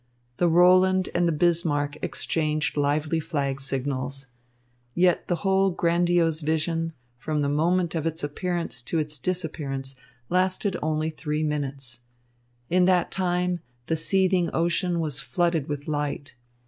The Roland and the Bismarck exchanged lively flag signals. Yet the whole grandiose vision, from the moment of its appearance to its disappearance, lasted only three minutes. In that time the seething ocean was flooded with light.